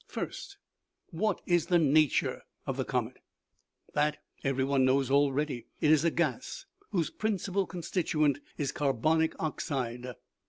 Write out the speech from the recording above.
" First, what is the nature of the comet ? That everyone knows already ; it is a gas whose principal constituent is carbonic oxide.